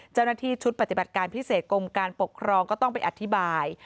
เจ้าหน้าที่ชุดปฏิบัติการพิเศษกรมการปกครองก็ต้องไปอธิบาย